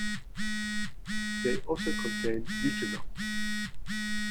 They also contain eugenol.